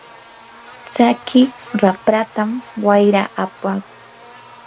tsaki rapratam wayra apakun.